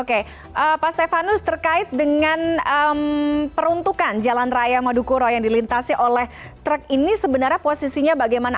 oke pak stefanus terkait dengan peruntukan jalan raya madukuro yang dilintasi oleh truk ini sebenarnya posisinya bagaimana